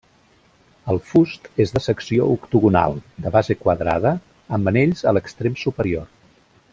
El fust és de secció octogonal, de base quadrada, amb anells a l'extrem superior.